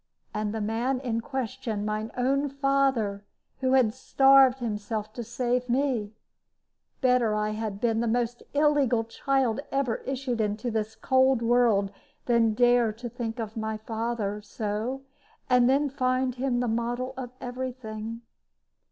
And the man in question, my own father, who had starved himself to save me! Better had I been the most illegal child ever issued into this cold world, than dare to think so of my father, and then find him the model of every thing.